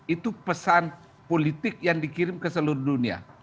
itu pesan politik yang dikirim ke seluruh dunia